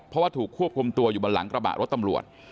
เพราะว่าถูกควบคุมตัวอยู่บนหลังกระบะรถตำรวจ